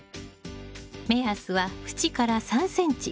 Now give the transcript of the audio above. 目安は縁から３ｃｍ。